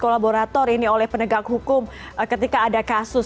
kolaborator ini oleh penegak hukum ketika ada kasus